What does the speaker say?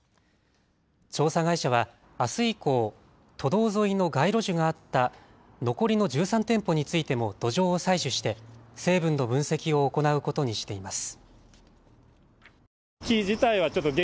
調査会社はあす以降、都道沿いの街路樹があった残りの１３店舗についても土壌を採取して成分の分析を行うことにしています。